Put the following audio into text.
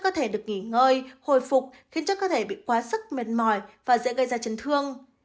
có thể được nghỉ ngơi hồi phục khiến cho cơ thể bị quá sức mệt mỏi và dễ gây ra chấn thương